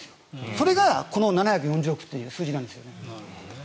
それがこの７４０億という数字なんです。